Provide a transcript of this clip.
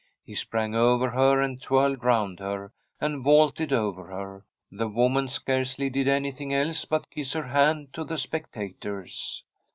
He sprang over her, and twirled round her, and vaulted over her. The woman scarcely did anything else but kiss her hand to the spectators.